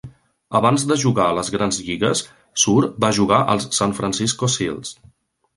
Abans de jugar a les grans lligues, Suhr va jugar als San Francisco Seals.